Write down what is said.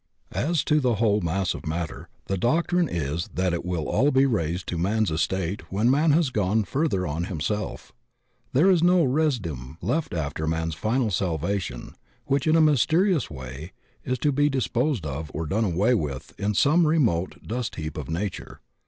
As to the whole mass of matter, the doctrine is that it 62 THE OCEAN OF THEOSOPHY will all be raised to man's estate when man has gone further on himself. There is no residuum left after man's final salvation which in a mysterious way is to be disposed of or done away with in some remote dust heap of nature.